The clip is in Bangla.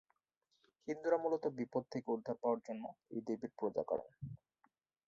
হিন্দুরা মূলত বিপদ থেকে উদ্ধার পাওয়ার জন্য এই দেবীর পূজা করেন।